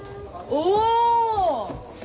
お！